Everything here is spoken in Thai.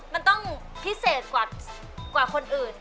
มันต้องพิเศษกว่าคนอื่น